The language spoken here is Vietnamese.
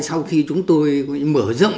sau khi chúng tôi mở rộng